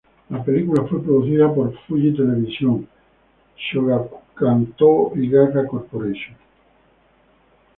La película fue producida por Fuji Television, Shogakukan, Toho y Gaga Corporation.